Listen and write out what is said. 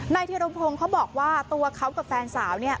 ธิรพงศ์เขาบอกว่าตัวเขากับแฟนสาว